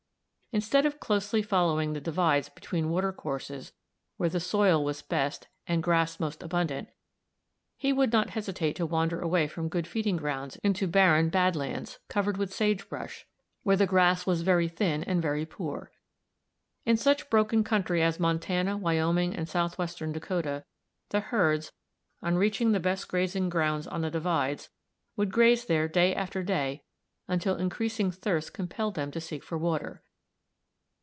Instead of closely following the divides between water courses where the soil was best and grass most abundant, he would not hesitate to wander away from good feeding grounds into barren "bad lands," covered with sage brush, where the grass was very thin and very poor. In such broken country as Montana, Wyoming, and southwestern Dakota, the herds, on reaching the best grazing grounds on the divides, would graze there day after day until increasing thirst compelled them to seek for water.